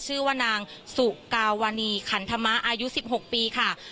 ชื่อว่านางสุกาวานีขันธรรมะอายุ๑๖ปีค่ะ